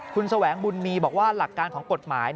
คุณแสวงบุญมีบอกว่าหลักการของกฎหมาย